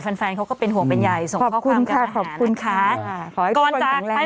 แฟนแฟนเขาก็เป็นห่วงเป็นใหญ่ขอบคุณค่ะขอบคุณค่ะขอให้ทุกคนกังแรงด้วย